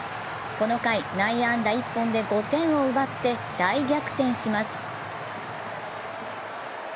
この回、内野安打１本で５点を奪って大逆転します。